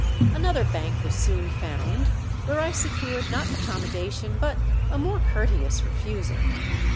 Another bank was soon found, where I secured not accommodation but a more courteous refusal.